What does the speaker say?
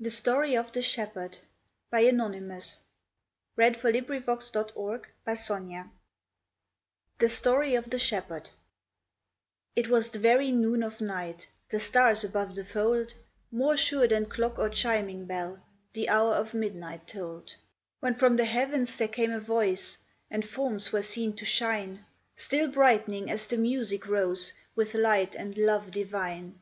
od will henceforth from heaven to men Begin, and never cease!" Nahum Tate THE STORY OF THE SHEPHERD It was the very noon of night: the stars above the fold, More sure than clock or chiming bell, the hour of midnight told: When from the heav'ns there came a voice, and forms were seen to shine Still bright'ning as the music rose with light and love divine.